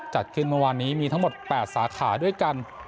จัดขึ้นเมื่อวานนี้มีทั้งหมด๘สาขาด้วยกัน